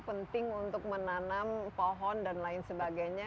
penting untuk menanam pohon dan lain sebagainya